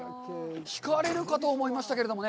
ひかれるかと思いましたけれどもね。